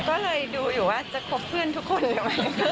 ก็เลยดูอยู่ว่าจะคบเพื่อนทุกคนเลยไหม